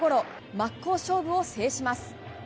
真っ向勝負を制します。